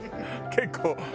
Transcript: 結構。